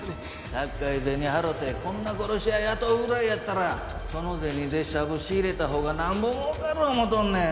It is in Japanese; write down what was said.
たっかい銭払うてこんな殺し屋雇うぐらいやったらその銭でシャブ仕入れたほうがなんぼ儲かる思うとんねん。